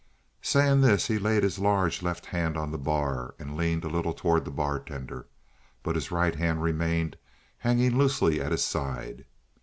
Saying this, he laid his large left hand on the bar and leaned a little toward the bartender, but his right hand remained hanging loosely at his side.